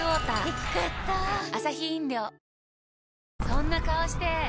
そんな顔して！